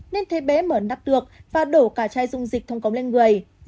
nên thấy bé mở nắp được và đổ cả chai dung dịch thông cống lên người